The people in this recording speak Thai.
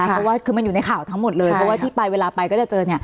เพราะว่าคือมันอยู่ในข่าวทั้งหมดเลยเพราะว่าที่ไปเวลาไปก็จะเจอ